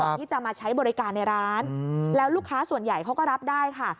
ที่จะมาใช้บริการในร้านแล้วลูกค้าส่วนใหญ่เขาก็รับได้ค่ะ